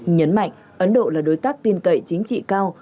nhấn mạnh ấn độ là đối tác tin cậy chính trị cao